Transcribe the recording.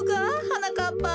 はなかっぱ。